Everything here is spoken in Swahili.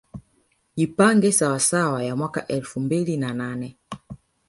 Jipange Sawasawa ya mwaka elfu mbili na nane